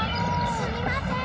すみませーん。